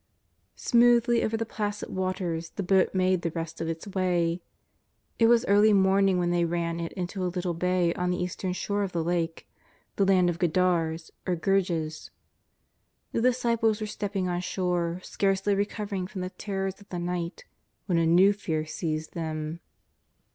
Smoothly over the placid waters the boat made the rest of its way. It was early morning when they ran it into a little bay on the eastern shore of the Lake, the land of Gadara, or Gergesa. The disciples were step ping on shore, scarcely recovered from the terrors of the night, when a new fear seized them.